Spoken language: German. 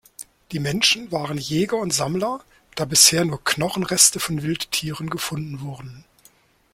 Die Menschen waren Jäger und Sammler, da bisher nur Knochenreste von Wildtieren gefunden wurden.